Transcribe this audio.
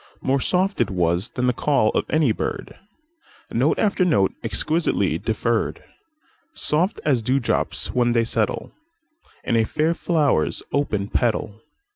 More soft it was than call of any bird, Note after note, exquisitely deferr'd, Soft as dew drops when they settleIn a fair flower's open petal.